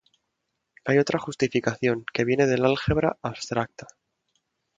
Hay otra justificación, que viene del álgebra abstracta.